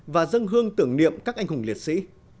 và dân hương tưởng niệm các anh hùng liệt sĩ